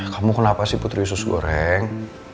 kamu kenapa sih putri sus goreng